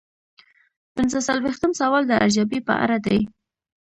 پنځه څلویښتم سوال د ارزیابۍ په اړه دی.